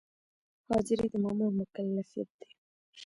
حاضري د مامور مکلفیت دی